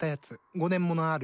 ５年ものある？